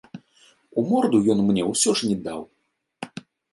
У морду ён мне ўсё ж не даў.